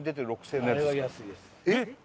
えっ！